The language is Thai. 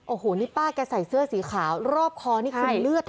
โอ้โหนี่ป้าแกใส่เสื้อสีขาวรอบคอนี่คือเลือด